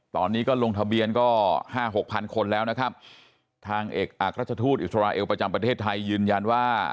ตอนนี้ก็ลงทะเบียนก็ห้าหกพันคนแล้วนะครับทางเอกอักราชทูตอิสราเอลประจำประเทศไทยยืนยันว่า